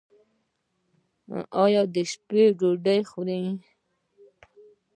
ایا د شپې ډوډۍ خورئ؟